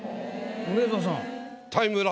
梅沢さん。